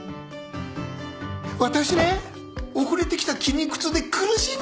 私ね遅れてきた筋肉痛で苦しんでんですよ。